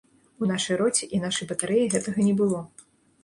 У нашай роце і нашай батарэі гэтага не было.